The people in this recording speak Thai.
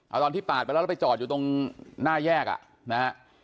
เอาตอนที่ปาดไปแล้วแล้วไปจอดอยู่ตรงหน้าแยกอ่ะนะฮะ